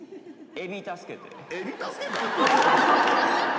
エビ助けた？